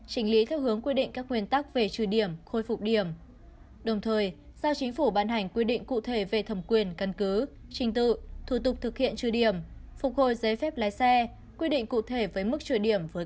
trình lý theo hướng quy định các nguyên tắc về trừ điểm khôi phục điểm